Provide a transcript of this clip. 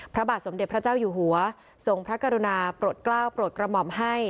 พระบาทสมเด็จพระเจ้าอยู่หัวทรงพระกรุณาปลดกล้าวโปรดกระหม่อมให้